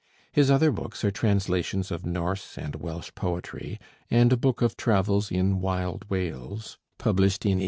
His other books are translations of Norse and Welsh poetry, and a book of travels in 'Wild Wales,' published in 1862.